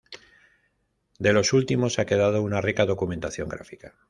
De los últimos ha quedado una rica documentación gráfica.